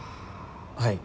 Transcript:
はい。